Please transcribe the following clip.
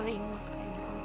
selima kayak gitu